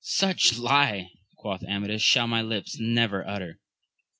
Such lie, quoth Amadis, shall my lips never utter.